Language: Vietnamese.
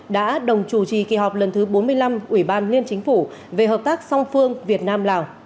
đã đồng chủ trì kỳ họp lần thứ bốn mươi năm ủy ban liên chính phủ về hợp tác song phương việt nam lào